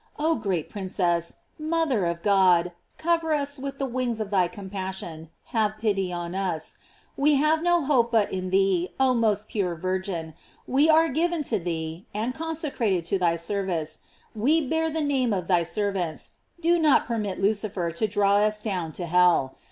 Oh great princess! mother of God! cover us with the wings of thy compassion: have pitv on us. We have no hope but in thee, oh most pure Virgin! We are given 328 GLORIES OF MAKY. 32S to thee, and consecrated to thy service; we bear the name of thy servants; do not permit Lucifer to draw us down to hell.